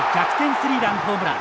スリーランホームラン。